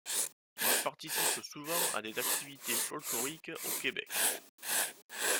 Il participe souvent à des activités folkloriques au Québec.